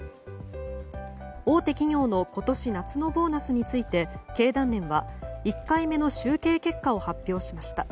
大手企業の今年夏のボーナスについて経団連は１回目の集計結果を発表しました。